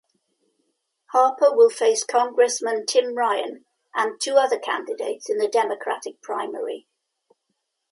Harper will face Congressman Tim Ryan and two other candidates in the Democratic primary.